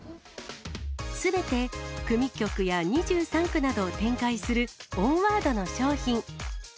すべて組曲や２３区などを展開するオンワードの商品。